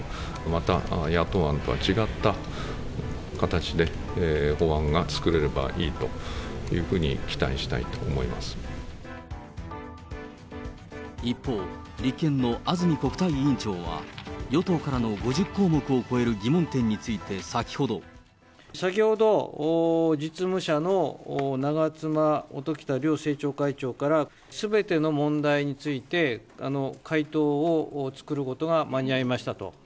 また、野党案とは違った形で法案が作れればいいというふうに期待したい一方、立憲の安住国対委員長は、与党からの５０項目を超える疑問点につ先ほど、実務者の長妻、音喜多両政調会長から、すべての問題について、回答を作ることが間に合いましたと。